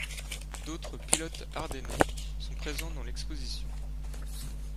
D'autres pilotes ardennais sont présents dans l'exposition.